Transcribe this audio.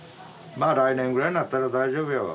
まあ来年ぐらいになったら大丈夫やわ。